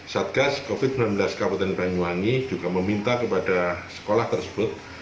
satgas covid sembilan belas kabupaten banyuwangi juga meminta kepada sekolah tersebut